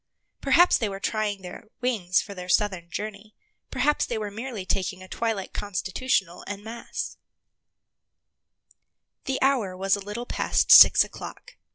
Perhaps they were trying their wings for their southern journey; perhaps they were merely taking a twilight constitutional en masse. The hour was a little past six o'clock.